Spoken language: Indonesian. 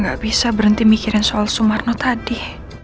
gue gak bisa berhenti mikirin soal subarna tadi